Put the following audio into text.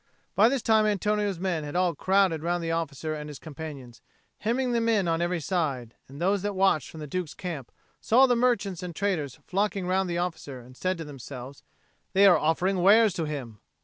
By this time Antonio's men had all crowded round the officer and his companions, hemming them in on every side; and those that watched from the Duke's camp saw the merchants and traders flocking round the officer, and said to themselves, "They are offering wares to him."